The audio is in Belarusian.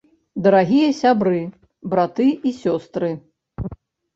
Дарагія сябры, браты і сёстры!